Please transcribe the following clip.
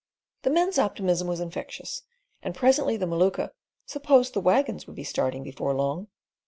The men's optimism was infectious, and presently the Maluka "supposed the waggons would be starting before long."